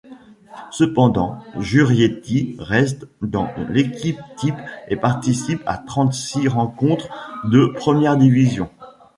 Cependant, Jurietti reste dans l'équipe-type et participe à trente-six rencontres de première division.